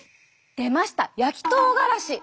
出ました焼きとうがらし。